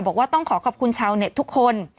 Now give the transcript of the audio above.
บอกว่าต้องขอขอบคุณชาวเน็ตทุกคน